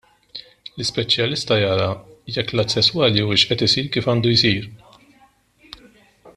L-ispeċjalista jara jekk l-att sesswali huwiex qed isir kif għandu jsir.